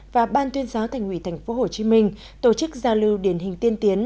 và ban tuyên giáo thành ủy thành phố hồ chí minh tổ chức giao lưu điển hình tiên tiến